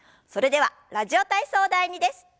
それでは「ラジオ体操第２」です。